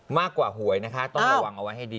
หวยนะคะต้องระวังเอาไว้ให้ดี